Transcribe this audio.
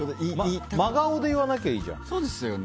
真顔で言わなきゃいいじゃん。